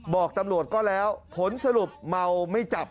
บอกตำรวจก็แล้วผลสรุปเมาไม่จับ